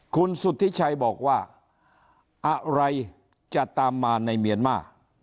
คุณสุธิชัยบอกว่าอะไรจะตามมาในเมียนมาร์